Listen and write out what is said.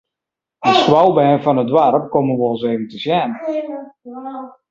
De skoalbern fan it doarp komme wolris even te sjen.